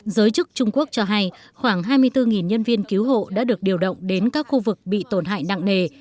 giới chức trung quốc cho hay khoảng hai mươi bốn nhân viên cứu hộ đã được điều động đến các khu vực bị tổn hại nặng nề